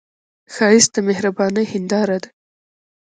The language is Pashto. ښایست د مهرباني هنداره ده